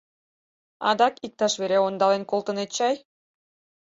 Адак иктаж вере ондален колтынет чай?